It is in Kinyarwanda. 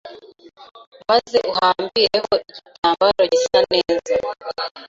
maze uhambireho igitambaro gisa neza